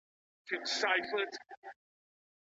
د ریښې پیدا کول مهم دي.